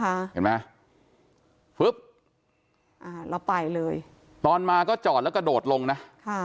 เห็นไหมฮะอ่าเราไปเลยตอนมาก็จอดแล้วก็โดดลงนะค่ะ